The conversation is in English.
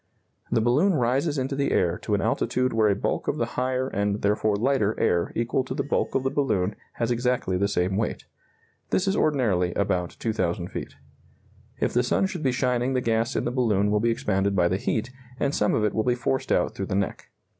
The balloon rises into the air to an altitude where a bulk of the higher and therefore lighter air equal to the bulk of the balloon has exactly the same weight. This is ordinarily about 2,000 feet. If the sun should be shining the gas in the balloon will be expanded by the heat, and some of it will be forced out through the neck.